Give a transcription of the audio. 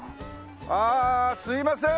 あすいません！